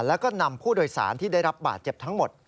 แล้วก็นำผู้โดยสารที่ได้รับบาดเจ็บทั้งหมด